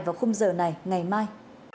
vào khung giờ này ngày mai